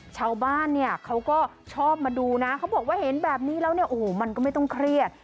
ชาวบ้านเนี่ยเขาก็ชอบมาดูนะเขาบอกว่าเห็นแบบนี้แล้วเนี่ยโอ้โหมันก็ไม่ต้องเครียด